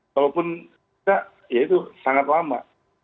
kalau punya mobil listrik ya itu sangat lama